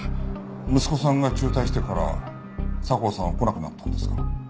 息子さんが中退してから佐向さんは来なくなったんですか。